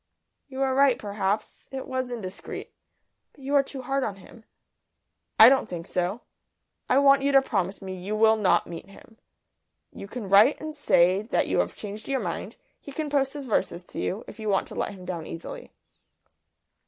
"You are right perhaps. It was indiscreet. But you are too hard on him." "I don't think so. I want you to promise me you will not meet him. You can write and say that you have changed your mind; he can post his verses to you, if you want to let him down easily."